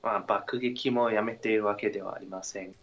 爆撃もやめてるわけではありません。